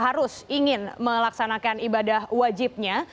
harus ingin melaksanakan ibadah wajibnya